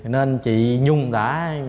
nên chị nhung đã